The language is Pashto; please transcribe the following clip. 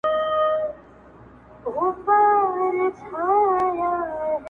• نن یې ریشا داسي راته وویل ,